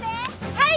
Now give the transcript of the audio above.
はい！